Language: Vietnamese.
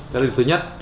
đó là điều thứ nhất